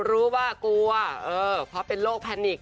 รู้ว่ากลัวเพราะเป็นโรคแพนิก